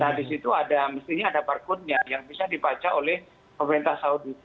nah di situ ada mestinya ada parkunnya yang bisa dibaca oleh pemerintah saudi